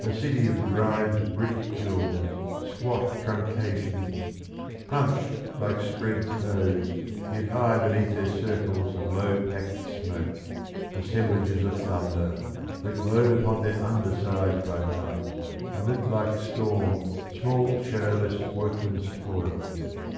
A city of grimed brick kilns, squat truncations, Hunched like spread toads yet high beneath their circles Of low packed smoke, assemblages of thunder That glowed upon their under sides by night And lit like storm small shadowless workmen's toil.